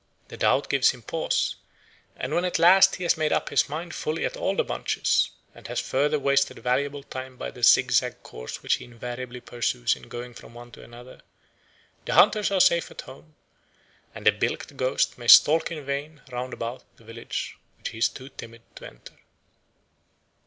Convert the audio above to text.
The doubt gives him pause, and when at last he has made up his mind fully at all the bunches, and has further wasted valuable time by the zigzag course which he invariably pursues in going from one to another, the hunters are safe at home, and the bilked ghost may stalk in vain round about the village, which he is too timid to enter.